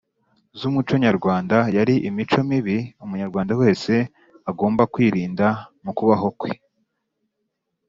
Z’umuconyarwanda yari imico mibi umunyarwanda wese agomba kwirinda mu kubaho kwe